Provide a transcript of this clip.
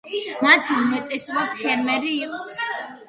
მათი უმეტესობა ფერმერი იყო.